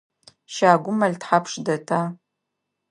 Щагум мэл тхьапш дэта?